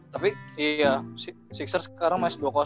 tapi iya sixer sekarang masih dua